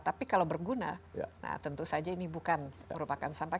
tapi kalau berguna tentu saja ini bukan merupakan sampah